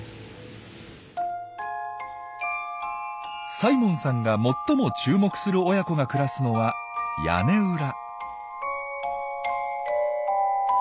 サイモンさんが最も注目する親子が暮らすのは屋根裏。